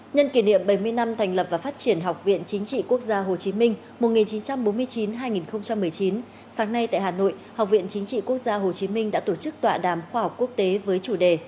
nhân kỷ niệm bảy mươi năm thành lập và phát triển học viện chính trị quốc gia hồ chí minh một nghìn chín trăm bốn mươi chín hai nghìn một mươi chín sáng nay tại hà nội học viện chính trị quốc gia hồ chí minh đã tổ chức tọa đàm khoa học quốc tế với chủ đề